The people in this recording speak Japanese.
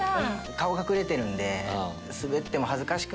顔隠れてるんで。